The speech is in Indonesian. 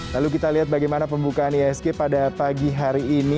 lalu kita lihat bagaimana pembukaan isg pada pagi hari ini